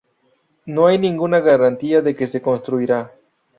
No hay ninguna garantía de que se construirá.